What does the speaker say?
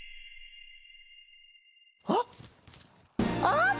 あっ！